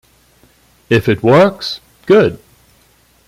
If it works - good.